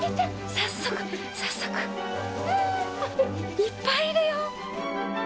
いっぱいいるよ！